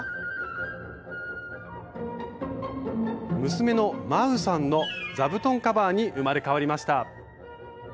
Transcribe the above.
娘のまうさんの「座布団カバー」に生まれ変わりました。